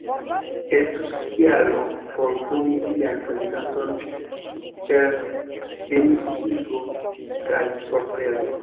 Estus kialo por puni tian prezidanton per demisiigo kaj forpelo.